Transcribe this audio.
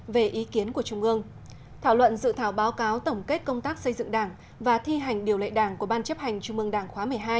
về ý kiến của trung ương thảo luận dự thảo báo cáo tổng kết công tác xây dựng đảng và thi hành điều lệ đảng của ban chấp hành trung ương đảng khóa một mươi hai